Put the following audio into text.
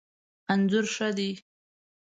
انځور ښه دی